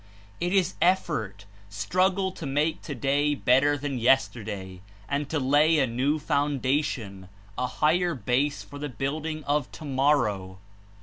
It is effort, struggle to make today better than yesterday, and to lay a new foundation, a higher base for the building of tomorrow.